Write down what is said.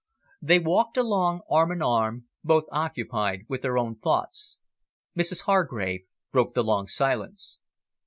They walked along arm in arm, both occupied with their own thoughts. Mrs Hargrave broke the long silence.